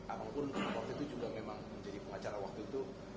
abang pun waktu itu juga memang menjadi pengacara waktu itu